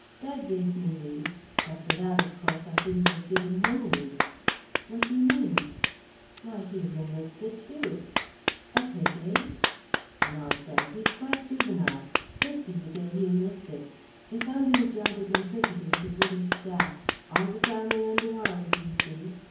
"Dad gave me leave. But for that, of course, I shouldn't have given him leave." "What do you mean?" "Why, he's enlisted, too." "At his age?" "Nonsense, he's quite juvenile. Fifty the day he enlisted! They found him a job as interpreter with the British staff. All the family under arms, you see.